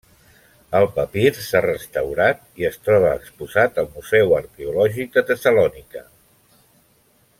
El papir s'han restaurat i es troba exposat al Museu Arqueològic de Tessalònica.